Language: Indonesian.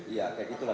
iya kayak gitulah